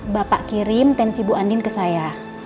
bapak kirim tensi bu andin ke saya